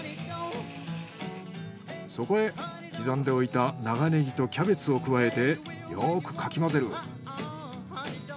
そこへ刻んでおいた長ネギとキャベツを加えてよくかき混ぜる。